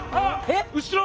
後ろ！